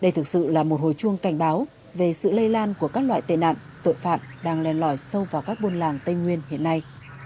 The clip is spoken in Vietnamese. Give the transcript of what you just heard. đây thực sự là một hồi chuông cảnh báo về sự lây lan của các loại tệ nạn tội phạm đang len lỏi sâu vào các buôn làng tây nguyên hiện nay